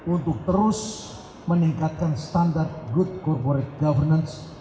untuk terus meningkatkan standar good corporate governance